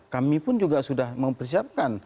kami pun juga sudah mempersiapkan